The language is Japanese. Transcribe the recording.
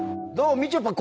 みちょぱ！え？